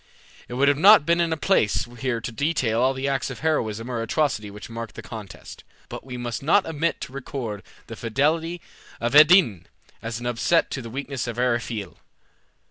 It would not be in place here to detail all the acts of heroism or atrocity which marked the contest; but we must not omit to record the fidelity of Evadne as an offset to the weakness of Eriphyle.